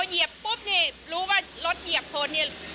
เหยียบปุ๊บนี่รู้ว่ารถเหยียบคนเนี่ย